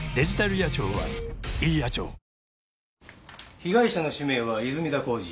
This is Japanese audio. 被害者の氏名は泉田浩二